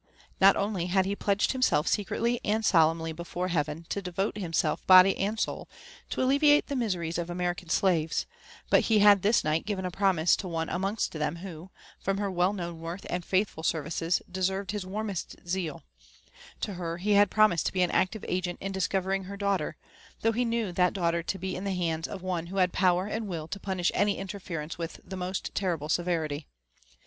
Not only had ho pledged himself secretly and solemnly before Heaven to devote himself body and soul to alleviate the miseries of American slaves, but he had this night given a promise to one amongst them who, from her well known worth and faithful services, deserved his warmest zeal ;— to her he had promised to be an active agent in discovering her daughter, though he knew that daughter to be in the hands of one who had power and will to punish any interference with the most terrible severity.